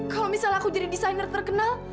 kalau misalnya aku jadi desainer terkenal